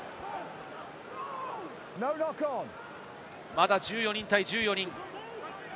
まだ１４人対１４人。